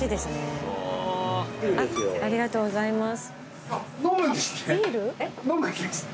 ありがとうございます。